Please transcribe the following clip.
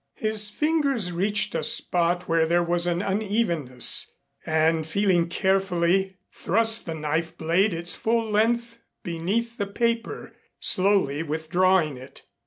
His fingers reached a spot where there was an unevenness, and feeling carefully, thrust the knife blade its full length beneath the paper, slowly withdrawing it.